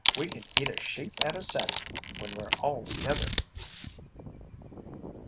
We can eat a sheep at a settin' when we're all together."